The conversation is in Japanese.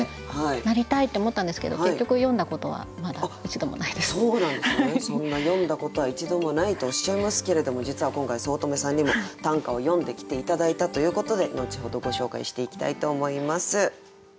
なりたいって思ったんですけどそんな詠んだことは一度もないとおっしゃいますけれども実は今回五月女さんにも短歌を詠んできて頂いたということで後ほどご紹介していきたいと思います。